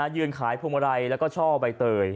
ยืนขายพวงมาลัยแล้วก็ช่อใบเตย